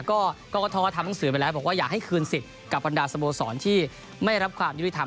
ก็กรกฐทำหนังสือไปแล้วบอกว่าอยากให้คืนสิทธิ์กับบรรดาสโมสรที่ไม่รับความยุติธรรม